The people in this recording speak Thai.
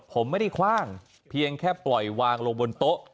ผมไม่ได้คว่างเพียงแค่ปล่อยวางลงบนโต๊ะ